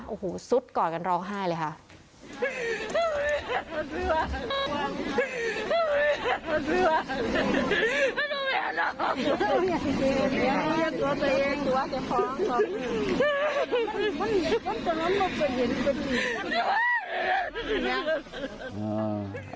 โอ้โหสุดกอดกันร้องไห้เลยค่ะ